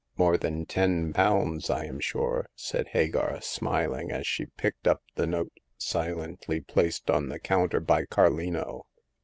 " More than ten pounds, I am sure," said Hagar, smiling, as she picked up the note silently placed on the counter by Carlino.